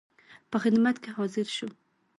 په خدمت کې حاضر شو.